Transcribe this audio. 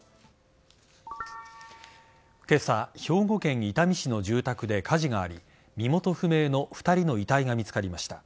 今朝、兵庫県伊丹市の住宅で火事があり身元不明の２人の遺体が見つかりました。